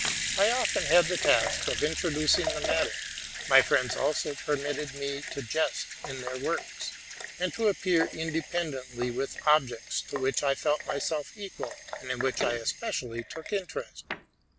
I often had the task of introducing the matter: my friends also permitted me to jest in their works, and to appear independently with objects to which I felt myself equal, and in which I especially took interest.